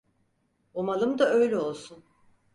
Umalım da öyle olsun.